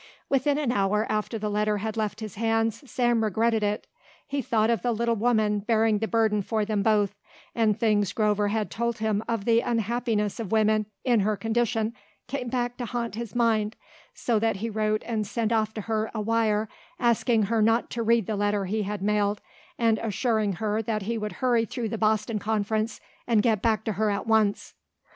Within an hour after the letter had left his hands Sam regretted it. He thought of the little woman bearing the burden for them both, and things Grover had told him of the unhappiness of women in her condition came back to haunt his mind so that he wrote and sent off to her a wire asking her not to read the letter he had mailed and assuring her that he would hurry through the Boston conference and get back to her at once.